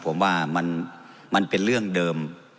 ผมว่ามันเป็นเรื่องเดิม